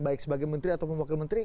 baik sebagai menteri atau pemwakil menteri